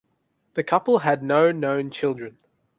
The couple had no known children.